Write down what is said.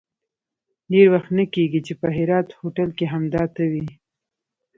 ډېر وخت نه کېږي چې په هرات هوټل کې همدا ته وې.